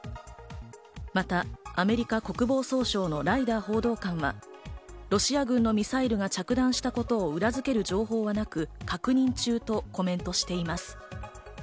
またアメリカ国防総省のライダー報道官は、ロシア軍のミサイルが着弾したことを裏付ける情報はなく、確認中とコメントしています。